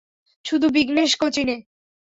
শুধু, বিঘ্নেশ কোচিনে।